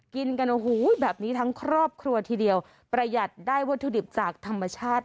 กินกันโอ้โหแบบนี้ทั้งครอบครัวทีเดียวประหยัดได้วัตถุดิบจากธรรมชาติ